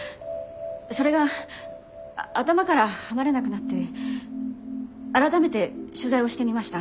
それが頭から離れなくなって改めて取材をしてみました。